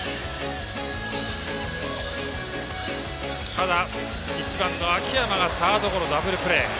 ただ、１番の秋山がサードゴロダブルプレー。